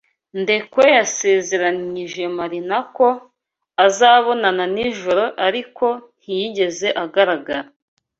Ndekwe yasezeranyije Marina ko azabonana nijoro, ariko ntiyigeze agaragara